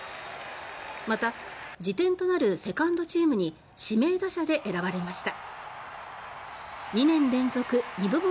また、次点となるセカンドチームに指名打者で選ばれました。